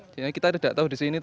dia kita tidak tahu di sini